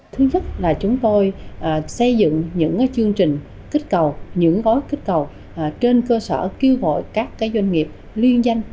thứ nhất là chúng tôi xây dựng những chương trình kích cầu những gói kích cầu trên cơ sở kêu gọi các doanh nghiệp liên danh